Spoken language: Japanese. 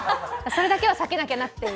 それだけは避けなきゃなって。